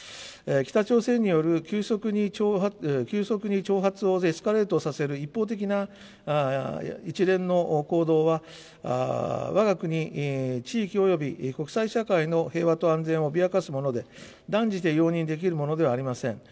北朝鮮による急速に挑発をエスカレートさせる一方的な一連の行動は、わが国地域および国際社会の平和と安全を脅かすもので、断じて容認できるものではありません。